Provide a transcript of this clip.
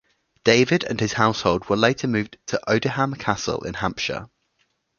David and his household were later moved to Odiham Castle in Hampshire.